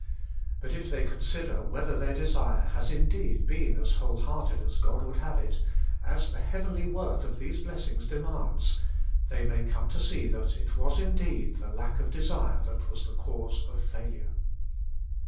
But if they consider whether their desire has indeed been as whole hearted as God would have it, as the heavenly worth of these blessings demands, they may come to see that it was indeed the lack of desire that was the cause of failure.